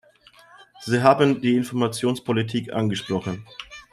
Sie haben die Informationspolitik angesprochen.